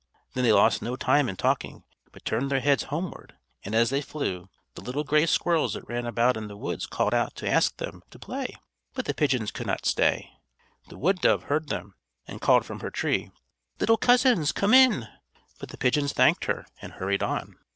Then they lost no time in talking, but turned their heads homeward; and as they flew the little gray squirrels that ran about in the woods called out to ask them to play, but the pigeons could not stay. The wood dove heard them, and called from her tree: "Little cousins, come in!" But the pigeons thanked her and hurried on.